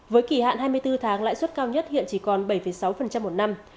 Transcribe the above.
với kỳ hạn hai mươi bốn tháng lãi suất cao nhất hiện chỉ còn bảy sáu một năm